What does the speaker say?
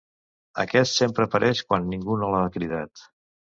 Aquest sempre apareix quan ningú no l'ha cridat.